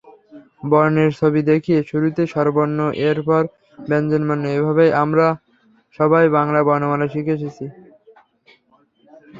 বর্ণের ছবি দেখিয়ে শুরুতে স্বরবর্ণ, এরপর ব্যাঞ্জনবর্ণ—এভাবেই আমরা সবাই বাংলা বর্ণমালা শিখে এসেছি।